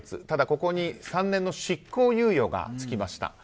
ただ、ここに３年の執行猶予がつきました。